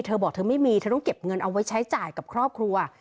เธอบอกเธอไม่มีเธอต้องเก็บเงินเอาไว้ใช้จ่ายกับครอบครัว